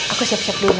aku siap siap dulu